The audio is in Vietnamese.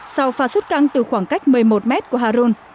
sau pha xuất căng từ khoảng cách một mươi một mét của harun